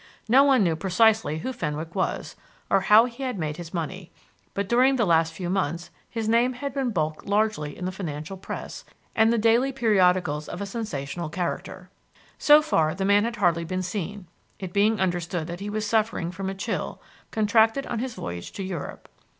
No one knew precisely who Fenwick was, or how he had made his money; but during the last few months his name had bulked largely in the financial Press and the daily periodicals of a sensational character. So far, the man had hardly been seen, it being understood that he was suffering from a chill, contracted on his voyage to Europe.